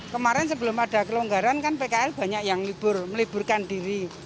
kemarin sebelum ada kelonggaran kan pkl banyak yang meliburkan diri